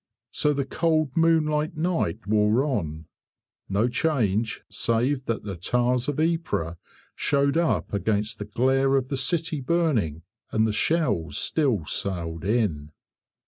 So the cold moonlight night wore on no change save that the towers of Ypres showed up against the glare of the city burning; and the shells still sailed in.